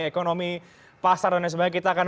ekonomi pasar dan lain sebagainya kita akan